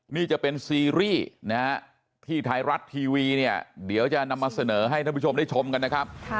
นี่จะเป็นซีรีส์นะฮะที่ไทยรัฐทีวีเนี่ยเดี๋ยวจะนำมาเสนอให้ท่านผู้ชมได้ชมกันนะครับ